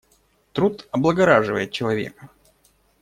Труд облагораживает человека.